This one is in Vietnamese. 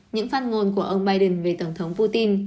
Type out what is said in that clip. những phát ngôn của ông biden về tổng thống putin